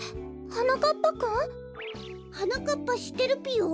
はなかっぱくん？はなかっぱしってるぴよ？